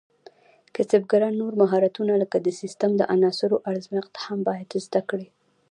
کسبګران نور مهارتونه لکه د سیسټم د عناصرو ازمېښت هم باید زده کړي.